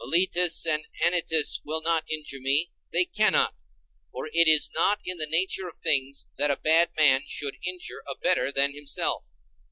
Meletus and Anytus will not injure me: they cannot; for it is not in the nature of things that a bad man should injure a better than himself.